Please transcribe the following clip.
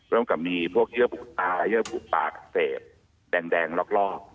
เริ่มกับมีพวกเยื่อปุกตาเยื่อปุกปากเสพแดงรอก